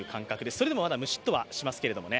それでもまだムシッとはしますけどね。